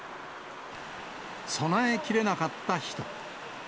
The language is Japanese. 備えきれなかった人。